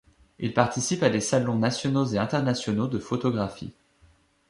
Il participe à des Salons Nationaux et Internationaux de Photographie.